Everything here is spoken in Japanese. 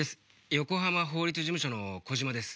横浜法律事務所の小島です。